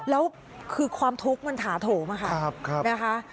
แล้วคือความทุกข์มันถาโถมั้ยคะนะคะใช่ครับ